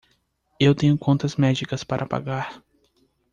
Eu tenho contas médicas para pagar.